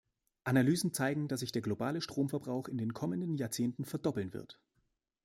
Analysen zeigen, dass sich der globale Stromverbrauch in den kommenden Jahrzehnten verdoppeln wird.